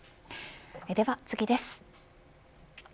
では次です。